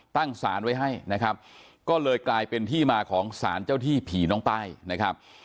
สารไว้ให้นะครับก็เลยกลายเป็นที่มาของสารเจ้าที่ผีน้องป้ายนะครับ